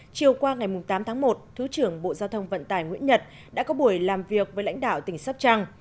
chiều qua ngày tám tháng một thứ trưởng bộ giao thông vận tải nguyễn nhật đã có buổi làm việc với lãnh đạo tỉnh sóc trăng